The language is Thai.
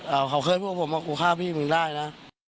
เอ่อเขาเคยพูดว่าบอกว่ากูฆ่าพี่มึงได้นะ